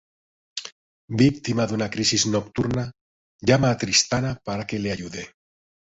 Víctima de una crisis nocturna, llama a Tristana para que le ayude.